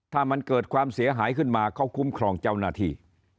ถ้ามันเกิดความเสียหายขึ้นมาเขาคุ้มครองเจ้าหน้าที่